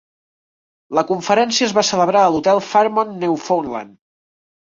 La conferència es va celebrar a l'hotel Fairmont Newfoundland.